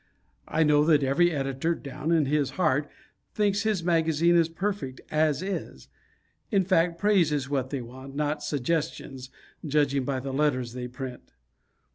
I know that every editor, down in his heart, thinks his magazine is perfect "as is." In fact, praise is what they want, not suggestions, judging by the letters they print.